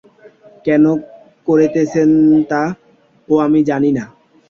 কেন করেছেন তা-ও আমি জানি।